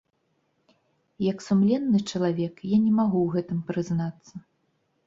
Як сумленны чалавек я не магу ў гэтым прызнацца.